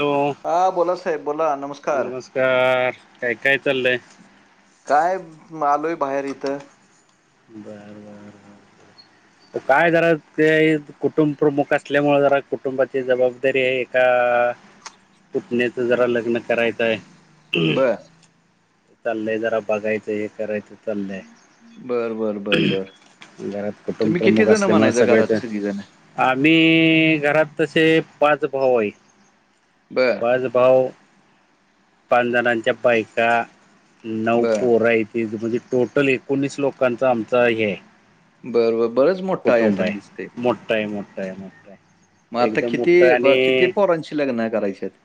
Hello हा बोला साहेब बोला नमस्कार नमस्कार काय काय चाललंय काय आलोय बाहेर इथं बार बार बार ब काय जरा ते कुटुंब प्रमुख असल्यामुळे जरा कुटुंबाची जबाबदारी आहे ए पुटण्याच जरा लग्न करायचं आहे बर चाललंय जरा बघायचं हे करायचं चाललंय. बर बर बर बर घरात कुटुंब तुम्ही किती प्रमुख जण असल्यामुळे म्हणायचं सगळे घरात ते सगळी जण आम्ही घरात तसे पाच भाऊई बरं आज भाऊ पाच जणांच्या बायका नऊ बर पोरा य म्हणजे टोटल एकोणीस लोकांचा आमचा हे बरं बर बरच मोठा कुटुंब आयटन दिसते आहे मोठं आहे मोठं आहे मोठं आहे. मग आता एकदम किती मोठं किती आणि पोरांची लग्न करायचे आहेत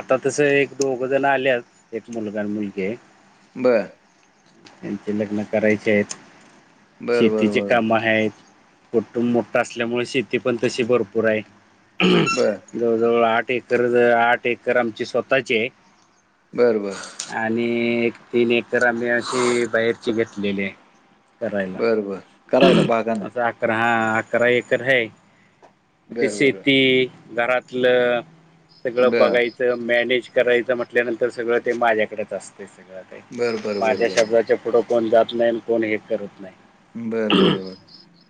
आता तस एक दोघ जण आलेत एक मुलगा आणि मुलगी बरं त्यांचे लग्न करायचे आहेत बर बर शेतीचे बर काम आहेत कुटुंब मोठा असल्यामुळे शेती पण तशी भरपूर आहे बर जवळं जवळं आंठ एकर आंठ एकर आमंची स्वंतःची आहे. बरं बरं आणि तीनं एकर आम्हीं अशी बाहेरंची घेतलेली आहे. करायंला बर बर करायला आतां बागानं आम्हीं अकरां हा अकरां एकर आहे ती बर बर शेती घरातलं सगळं बर बघायचं मॅनेज करायचं म्हटल्यांनंतर सगळं ते माझ्यांकडेचं असतें सगळं बर बर माझ्यां शब्दांच्या पुुढे कोणं जातं नाहीं आणि कोणं हे करतं नाहीं बरं बरं बरं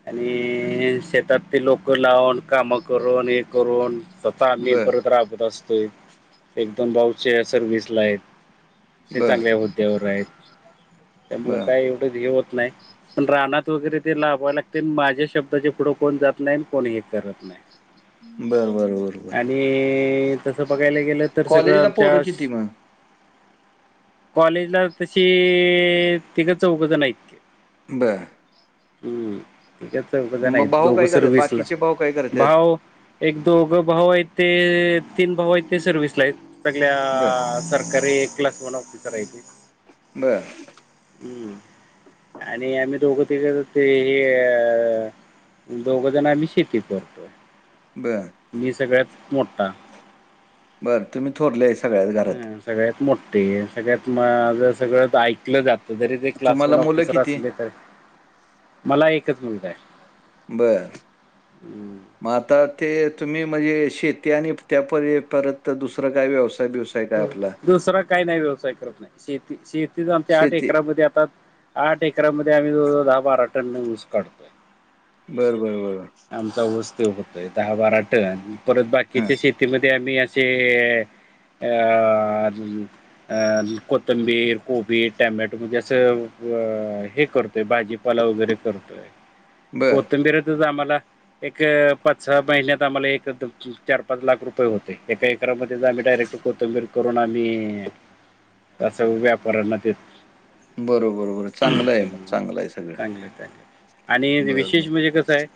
आणि शेतात ते लोकं लावूंन कामं करूंन हे करूंन स्वंतः आम्ही बर परत राबंत असंतोय परंत एक दोन भाऊं सर्विसलान आहेतं बर ते बर चांगल्यां होद्यांवर आहेतं त्यामुळं बर कायं एवढंच हे होतं नाहीं पणं राहनांत वगैरें ते लाभवांवे लागते माझ्यां शब्दांचे पुढें कोणं जातं नाहीं कोणं हे करतं नाहीं बरं बरं बरोबर ते तसं बघांयंला गेलं तरं सगळं आमच्यां किती मग कॉलेजलां तशी तिघं चौघं झंण आहेत की बरं हम्मं तीघं चौघं मग आहेतं भाऊ काय दोघंसर करत वीसंलां बाकीचे भाऊ काय करतात भांऊ एक दोघं भांऊ आहेतं ते तीनं भांऊ आहेतं ते सर्विसलां आहेतं बर सगळं सरकारी कंल्क वर ऑफिसर आहेतं ते बरं हम्मं आणि आम्हीं दोघं तीघं ते हे अ दोघ जण आम्ही शेती करतोय. बरं. मी सगळ्यांत मोठा. बरं तुम्ही थोरले आहे, सगळ्यात घरात. हं सगळ्यात मोठ्ठे सगळ्यात माझच सगळ ऐकल जात. जरी ते तुम्हाला क्लासवर मुलं ऑफिसर किती असले तरी, मला एकच मुलगा आहे. बरं. हम्म, मग आता ते तुम्ही म्हणजे, शेती आणि त्या पलीकड परत दुसर काय व्यवसाय बीवसाय हम्म, दुसरा काही नाही व्यवसाय करत नाही, शेती शेतीच आमची आठ शेती एकरामध्ये आता आठ एकरामध्ये आम्ही जवळ जवळ दहा बारा टन ऊस काढतोय. बरं बरं बरं. आमचा ऊस ते होतोय, दहा बारा टन परत हां बाकीच्या शेतीमध्ये आम्ही असेल अ अ अजून अ कोथिंबीर, कोबीज, टोमॅटो म्हणजे असं हे करतो. भाजीपाला वगैरे करतोय, बर कोथिंबीरीचीच आम्हाला एक पाच सहा महिन्यात आम्हाला एक चार पाच लाख रुपये होतेय, एका एकारामध्येच आम्ही डायरेक्ट कोथिंबीर करून आम्ही असं व्यापाऱ्यांना देतोय. बरोबर बरं चांगलं आहे मंग चांगलंय सगळं. चांगलं चांगलं. आणि बर विशेष बर म्हणजे कसंय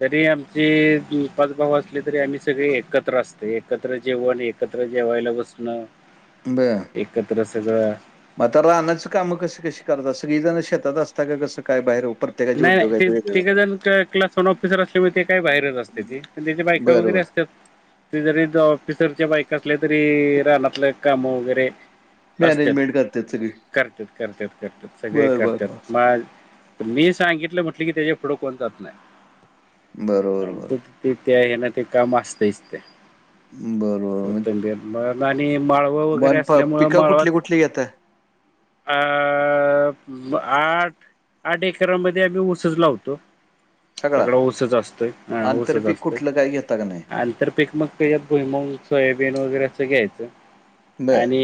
तरी आमचे दोन पांच भांऊ असले तरी आम्हीं सगळें एकत्र असतें, एकत्र जेवणं आणि एकत्र जेंव्हांयलां बसनं बरं. एकत्र सगळं म आता रानांची कामं कशी कशी करतांत, सगळीं जणंच शेतात असतां कां कसं कायं बाहेर ओ? नाहीं नाहीं ते तिकडे तिघं जणं तर क्लासवन ऑफिसर असल्यांमूळ ते काय बाहेरचं असत्याती. त्यांच्या बायंका बरं वगैरें बरं असत्यात ते जरी ऑफिसरच्यां बाईकां असल्यां तरी, रानांतल् कामं वगैरे असत्यात. मॅनेजमेंट करतात सगळी करत्यात करत्यात करत्यात सगळे बर बर बर करत्यात, मग मीच सांगितलं म्हटलं की त्याच्या पुुढे कोण जात बरोबर नाही बरोबर ति त्या हेन ते काम असतयच ते. बरोबर मग [unintelligible] आणि माळ व वगैरे तुम्हाला प असल्यामुळ, पिकं कुठली माळवात कुठली घेताय? अ- आठ, अडीच खरं म्हणजे आम्ही उसच लावतो. सगळा? सगळ ऊसच असतोय, ह ऊसच आंतरपीक असतोय. कुठलं काही घेता का नाही? आणि तर पीक मग त्याच्यात भुई मूग, सोयाबीन वगैरे असं घ्यायचं. बरं. आणि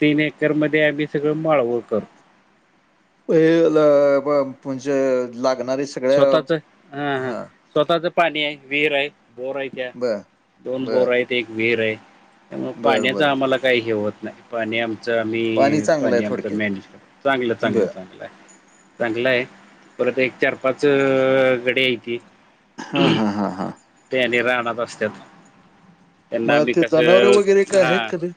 तीन एकरमध्ये आम्ही सगळं माळव करतो. म्हणजे -लागणारी सगळ्या हा. स्वतःच पाणी हाय. विहीर आहे, बोर हायत्या. बरं, दोन बरं. बोर हायत, एक विहीर आहे. त्यामुळे बरं, पाण्याच बरं. आम्हाला काही हे होत नाही. पाणी च आम्ही चांगलं आहे पाणी आमच थोडक्यात. [unintelligible] चांगलं चांगलं बरं. चांगलंय. चांगलंय परत एक चार पाच गडी हायती. हा हा हा हा. ते आणि रानात असत्यात, त्यांना मग आम्ही ते जनावरं वगैरे कसं काय हा आहेत का ते?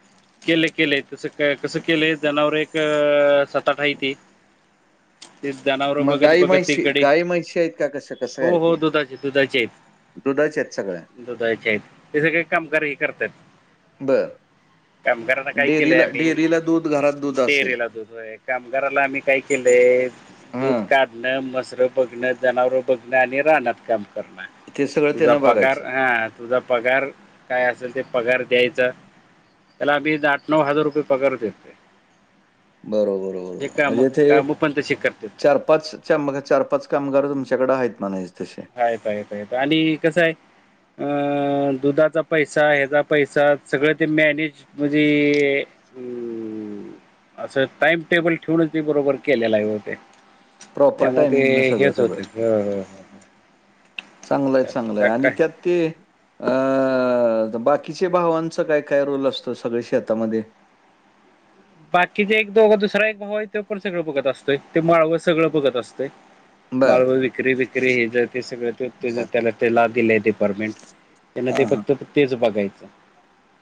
केलय केलेय तस -कसं केलंय जनावर एक सात आठ आहे ती. ते जनावर मग बघत गाय, बघत ती म्हैशी, गडी गाय, म्हैशी आहेत का कशा? कसली हो गाय ती, हो दुधाचे दुधाच्या आहेत सगळ्या. दुधाची आहेत, ते सगळे कामगार हे करतात. बरं. कामगारांना काय केलंय डेअरीला आम्ही. डेअरीला दूध, घरात दूध असेल. डेरीला दूधय कामगाराला आम्ही काय केलंय दूध हां. काढ मसरं बघणं जनावरं बघणं आणि रानात काम करणं ते सगळं तुझा त्यानं पगार बघायचं. हा तुझा पगार काय असेल ते पगार द्यायचा त्याला बी आठ नऊ हजार रुपये पगार देतोय बरोबर बरोबर काम म्हणजे ते कामं पण तशी करतात चार पाच च म चार पाच कामगार तुमच्याकडं आहेत म्हणायचे तसे आहेत आहेत आणि कसं आहे अ दुधाचा पैसा ह्याचा पैसा सगळे ते मॅनेज म्हणजे असं टाइम टेबल ठेवूनची बरोबर केलेलं आहे होते प्रॉपर त्यामुळे टायमिंगनं सगळं हेच सगळं. होते हो हो हो चांगलंय चांगलंय आणि काय त्यात ते बाकीच्या भावांचं काय काय रोल असतो सगळे शेतामध्ये बाकीचे एक दोघं दुसरा एक भावा आहे ते पण सगळं बघत असतोय माळव सगळं बघत असतोय बरं, माळव माळवा विक्री विक्री हे जर ते सगळ बरं. त्याला ते लाभ दिले डिपार्टमेंट त्यांना ते हां, हां. फक्त तेच बघायचं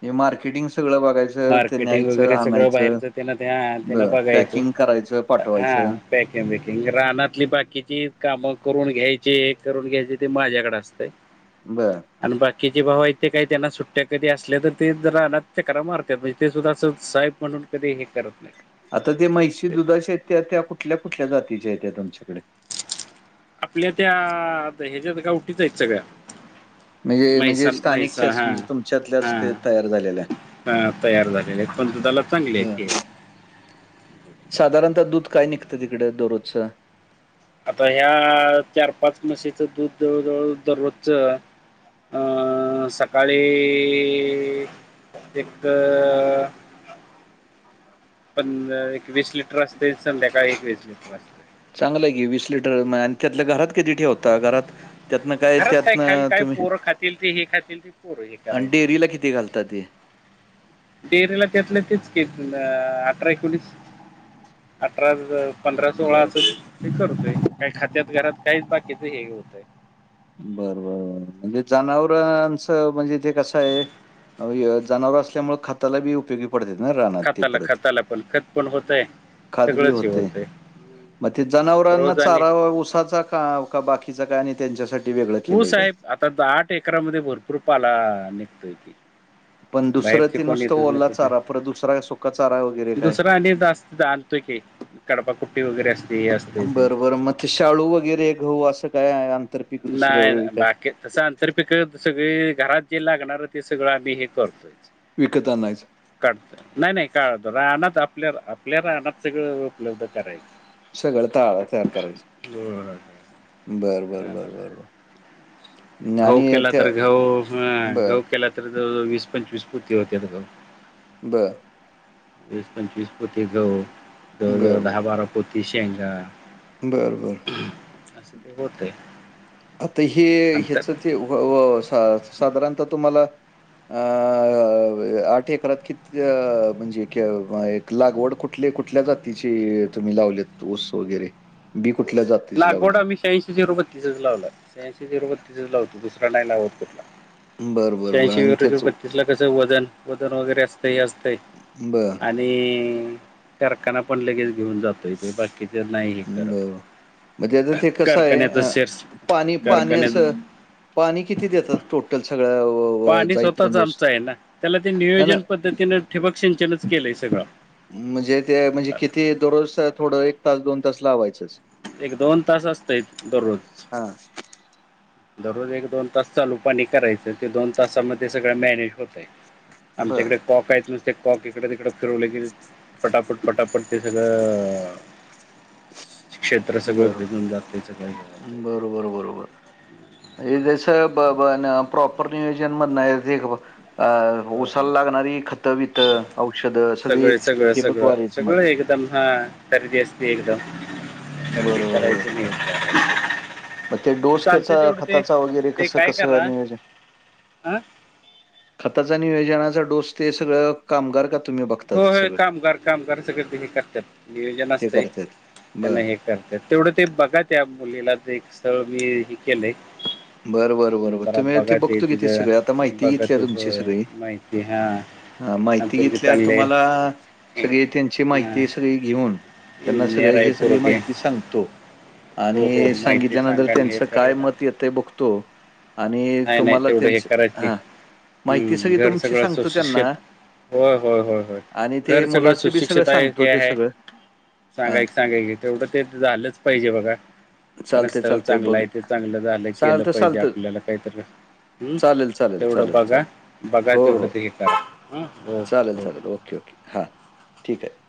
हे मार्केटिंग सगळं बघायचं ते मार्केटिंग न्यायचं वगैरे सगळं आणायचं बाहेरचं त्यांना त्या त्यांना बरं बघायचं पॅकिंग करायचं हा पाठवायचं पॅकिंग बकिंग रानातली बाकीची कामं करून घ्यायची हे करून घ्यायचे ते माझ्याकडे असतं [unintelligible] बरं आणि बाकीचे भाऊ इथे काही त्यांना सुट्ट्या कधी असल्या तर ते रानात चक्रा री मारतात ते सुद्धा अस साहेब म्हणून कधी हे करत नाही आता ते मैशी दुधाचे आहेत ते त्या कुठल्या कुठल्या जातीच्या आहेत त्यात तुमच्याकडे आपल्या त्या ह्याच्यात गावठी आहेत सगळ्या म्हणजे म्हणजे म्हैसाण म्हैसा स्थानिकच्याच हा म्हणजे तुमच्यातल्याच हा ते तयार झालेल्या हा तयार झालेले आहेत पण दुधाला चांगले बरं. आहेत साधारणतः दूध काय निघतं तिकडे दररोज च आता ह्या चार पाच मशीचं दूध जवळ जवळ दररोजच सकाळी एक प एक वीस लिटर असते संध्याकाळ एक वीस लिटर असते चांगलं आहे की वीस लिटर त्यातल्या घरात कतीी ठेवता घरात त्यातन काय घरात त्यातन खायला काय तुम्ही पोरं खातील ते हे खातील ते पोरं हे आणि करायचं डेअरी ला किती घालतात ते डेअरीला त्यातलं तेच क अठरा एकोणीस अठरा पंधरा बरं. सोळाचं हे करतय काही खद्यात घरात काहीच बाकीचं हे होतंय बरं बर म्हणजे जनावरांचं म्हणजे ते कसं आहे जनावर असल्यामुळे खात्याला बी उपयोगी पडते ना राहणार ते खताला परत खताला पण खत पण होत आहे खदवी सगळंच हे होते होत आहे मग ते जनावरांना रोज आणि चारा उसाचा का का बाकीचा काय आणि त्यांच्यासाठी वेगळं तू केलंय काय? साहेब आता आठ एरामध्ये भरपूर पाला निघतोय की पण दुसरं बाहेरचे ते कोण नुसतं येतच ना ओला चारा परत दुसरा सुका चारा वगैरे तिथ काय? दुसरा आणि जात आणतोय की कडपा कुट्टी वगैरे असते असतेथे बरं, बरं. मग ते शाळ वगैरे गहु असं काय आंतरपीक दुसरं वगैरे नाही काय बाकी तत तर पिक सगळे घरात जे लागणार आहे ते सगळं आम्ही हे करतोय विकतानायच काढत नाही नाही काढत रानात आपल्या आपल्या रानात सगळं उपलब्ध करायचं सगळं ताळा तयार होय, करायचं बर बर बर बर बर गहु केला तर गहु बरं, गहु केला तर जवळ जवळ वीस पंचवीस पती होत घ ब वीस पंचवीस पोती गहु जवळ जवळ बरं, दहा बरं, बारा पोती शेंगा बरं बरं असं ते होतय आता हे ह्याच ते साधारणत तुम्हाला अ आठ एकरात किती म्हणजे लागवड कुठले कुठल्या जातीची तुम्ही लावलेत ऊस वगैरे बी कुठल्या जात लागवड आम्ही शहाऐंशी झिरोबत्तीसच लावला शहांशी झिरोबत्तीसच लावतो दुसरा नाही लावत तुठला बरं, बरं, बरं श्यांशी आणि रुपये त्याचं बत्तीस ला कस वजन वजन वगैरे असत हे असतंय बरं, आणि आणि कारखाना पण लगेच घेऊन जातो इथे बाकीच नाही हे करत म्हणजे आता ते कसं आहे कारखान्याचा अ शेअर्स पाणी कारखान्याच पाण्याचं पाणी किती देतात टोटल सगळ्या व पाणी स्वतःच जाईपर्यंत ऊस? आमचं आहे ना त्याला ते नाही, नाही. नियोजन पद्धतीनें ठिबक सिंचनच केलंय सगळं म्हणजे ते म्हणजे किती दररोज थोडं एक तास दोन तास लावायचंच एक दोन तास असतय दररोज हा दररोज एक दोन तास चालू पाणी करायचं ते दोन तामध्ये सगळं मॅनेज होतय बरं. आमच्याकडे काँक आहेत नुसते कॉक इकडे तिकडं फिरवले केल पटापट पटापट ते सगळं क्षेत्र सगळ बरं. भीजून जाते सगळ बरोबर बरोबर हे जस प्रॉपर नियोजन मध नाही बा अ ऊसाला लागणारी खतबितं औषधं सगळी ठे बघवारायचं मग उत्तम खरेदी असते एकदम खरीदी बरोबर, करायची बरोबर. नाही मग ते डोस चालते त्याचा तेवढं ते खताचा वगैरे कसं कसं नियोजन आं खताचा नियोजनाचा डोस ते सगळं कामगार का तुम्ही बघ हो हो कामगार कामगार सगळे ते हे करतात नियोजन ते असतं करतात. त्यांना बरं. हे त तेवढं ते बघा त्या मुलीला एक सळ मी हे केलंय बरं बरं बरबर जरा तुम्ही इथे बघा ते बघतो किथे तिथं सगळे आता माहिती बघा घेतली ते हो, तुमची सगळी माहिती हा हा माहिती पोरगी घेतल्या चांगले तुम्हाला सगळी त्यांची माहिती इंजिनियर सगळी घेऊन त्यांना सगळ आहे हे सगळी पोरगे माहिती सांगतो हो हो आणि माहिती सांगितल्यानंतर सांगा आणि त्यांच हे काय करत मत ते बखतो नाही नाही तेवढं हे करायचे माहिती हम्म सगळी घर तुमची सगळं सांगतो त्यांना असशिषेत होय होय होय होय आणि ते घर सगळं मुलाचं बी सुशिक्षता सांगतो हे ते आहे सगळं. हां, सांगाय सांगाय तेवढं ते झालंच पाहिजे बघा चालतंय, कारण चालतंय चांगलं बघ आहे ते चांगलं झालं केलं चालतं, पाहिजे चालतं. आपल्याला काहीतरी हम् चालेल, चालेल, तेवढं चालेल, बघा चालेल. बघा हो, तेवढं हो. ते कराे चालेल, चालेल. ओके ओके हां ठीक आहे